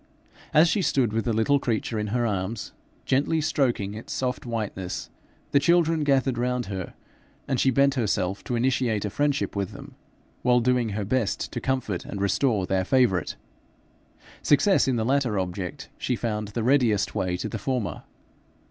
As she stood with the little creature in her arms, gently stroking its soft whiteness, the children gathered round her, and she bent herself to initiate a friendship with them, while doing her best to comfort and restore their favourite. Success in the latter object she found the readiest way to the former.